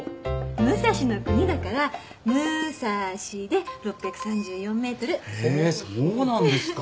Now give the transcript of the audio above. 武蔵の国だから「６３４」で６３４メートル。へそうなんですか。